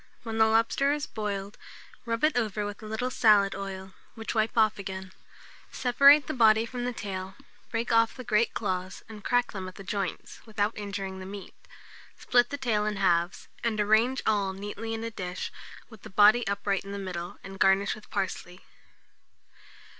When the lobster is boiled, rub it over with a little salad oil, which wipe off again; separate the body from the tail, break off the great claws, and crack them at the joints, without injuring the meat; split the tail in halves, and arrange all neatly in a dish, with the body upright in the middle, and garnish with parsley.